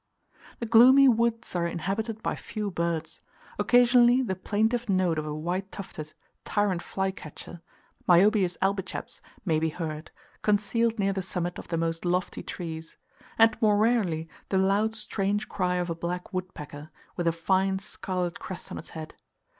The gloomy woods are inhabited by few birds: occasionally the plaintive note of a white tufted tyrant flycatcher (Myiobius albiceps) may be heard, concealed near the summit of the most lofty trees; and more rarely the loud strange cry of a black wood pecker, with a fine scarlet crest on its head.